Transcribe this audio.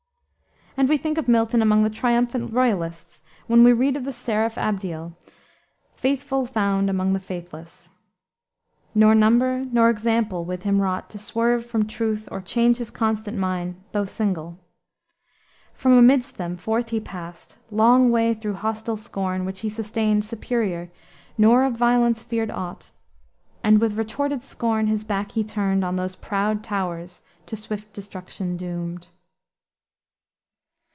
And we think of Milton among the triumphant royalists when we read of the Seraph Abdiel "faithful found among the faithless." "Nor number nor example with him wrought To swerve from truth or change his constant mind, Though single. From amidst them forth he passed, Long way through hostile scorn, which he sustained Superior, nor of violence feared aught: And with retorted scorn his back he turned On those proud towers to swift destruction doomed."